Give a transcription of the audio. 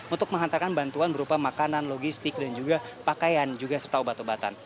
untuk menghantarkan bantuan berupa makanan logistik dan juga pakaian juga serta obat obatan